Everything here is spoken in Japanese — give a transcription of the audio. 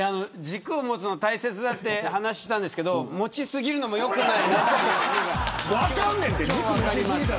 軸を持つのが大切という話をしたんですけど持ちすぎるのもよくないなと思いました。